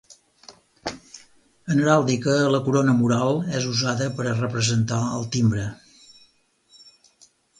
En heràldica la corona mural és usada per a representar el timbre.